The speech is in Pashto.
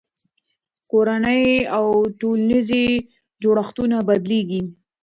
کورنۍ او ټولنیز جوړښتونه بدلېږي.